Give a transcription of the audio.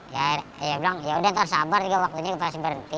ya udah ntar sabar juga waktunya pasti berhenti